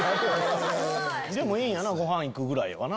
でもいいんやなご飯行くぐらいはな。